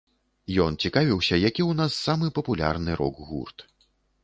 Ён цікавіўся, які ў нас самы папулярны рок-гурт.